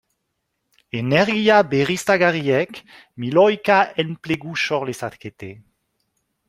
Energia berriztagarriek milioika enplegu sor lezakete.